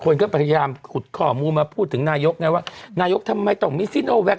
คนก็พยายามขุดข้อมูลมาพูดถึงนายกไงว่านายกทำไมต้องมีซิโนแวค